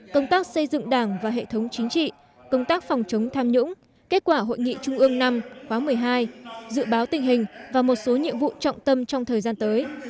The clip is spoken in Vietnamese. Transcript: công tác xây dựng đảng và hệ thống chính trị công tác phòng chống tham nhũng kết quả hội nghị trung ương năm khóa một mươi hai dự báo tình hình và một số nhiệm vụ trọng tâm trong thời gian tới